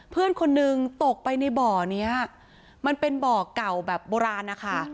เพื่อนคนนึงตกไปในบ่อนี้มันเป็นบ่อเก่าแบบโบราณนะคะ